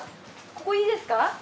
ここいいですか？